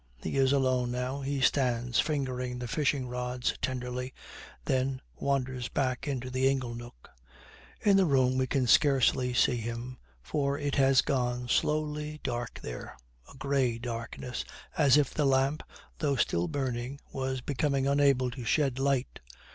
He is alone now. He stands fingering the fishing rods tenderly, then wanders back into the ingle nook. In the room we could scarcely see him, for it has gone slowly dark there, a grey darkness, as if the lamp, though still burning, was becoming unable to shed light.